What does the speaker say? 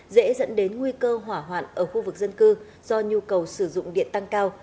dễ dẫn đến nguy cơ hỏa hoạn ở khu vực dân cư do nhu cầu sử dụng điện tăng cao